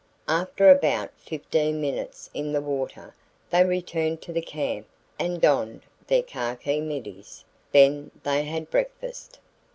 After about fifteen minutes in the water they returned to the camp and donned their khaki middies; then they had breakfast.